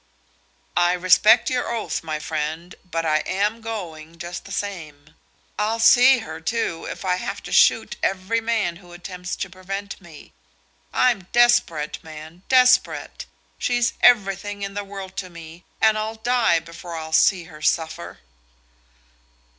"I respect your oath, my friend, but I am going, just the same. I'll see her, too, if I have to shoot every man who attempts to prevent me. I'm desperate, man, desperate! She's everything in the world to me, and I'll die before I'll see her suffer."